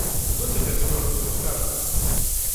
Хто цяпер з пэўнасцю скажа?